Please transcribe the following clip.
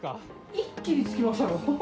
一気につきましたよ。